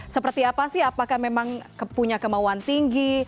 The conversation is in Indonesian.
seperti apa sih apakah memang punya kemauan tinggi